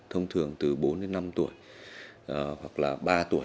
thông thường từ bốn đến năm tuổi hoặc là ba tuổi